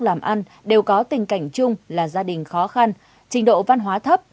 làm ăn đều có tình cảnh chung là gia đình khó khăn trình độ văn hóa thấp